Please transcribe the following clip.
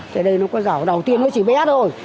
thế đây nó có dầu đầu tiên nó chỉ bé thôi